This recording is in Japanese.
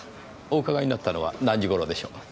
お伺いになったのは何時頃でしょう？